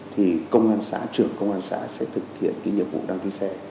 thì công an xã trưởng công an xã sẽ thực hiện cái nhiệm vụ đăng ký xe